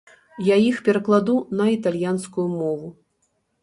Я іх перакладу на італьянскую мову.